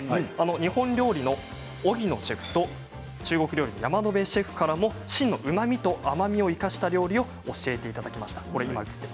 日本料理の荻野シェフと中国料理、山野辺シェフからも芯のうまみと甘みを生かした料理を教えていただきました。